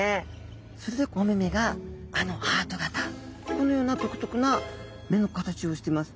このような独特な目の形をしてます。